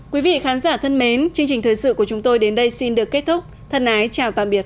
quý vị khán giả thân mến chương trình thời sự của chúng tôi đến đây xin được kết thúc thân ái chào tạm biệt